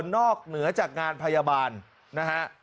นอกเหนือจากงานพยาบาลนะฮะ